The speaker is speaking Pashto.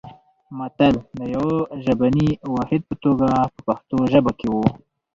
متل د یوه ژبني واحد په توګه په پښتو ژبه کې و